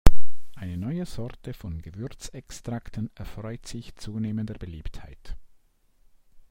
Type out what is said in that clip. Eine neue Sorte von Gewürzextrakten erfreut sich zunehmender Beliebtheit.